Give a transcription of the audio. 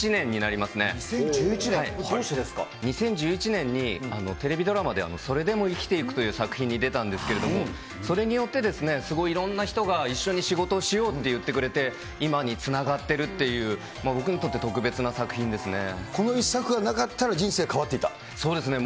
２０１１年に、テレビドラマで、それでも、生きてゆくという作品に出たんですけれども、それによって、すごいいろんな人が一緒に仕事をしようって言ってくれて、今につながってるっていう、この１作がなかったら、そうですね。